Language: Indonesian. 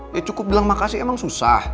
ya cukup bilang makasih emang susah